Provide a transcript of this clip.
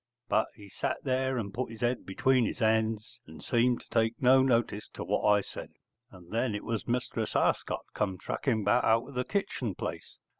But he sat there and put his head between his hands and seemed to take no notice to what I said. And then it was Mistress Arscott come tracking back out of the kitchen place.